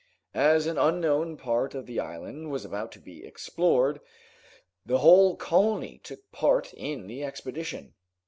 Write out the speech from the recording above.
As an unknown part of the island was about to be explored, the whole colony took part in the expedition.